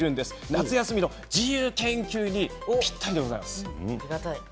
夏休みの自由研究にぴったりでございます。